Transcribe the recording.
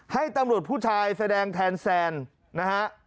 ให้ตำรวจผู้ชายแสดงแทนแซนนะฮะ